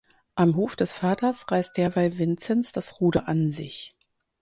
Am Hof des Vaters reißt derweil Vinzenz das Ruder an sich.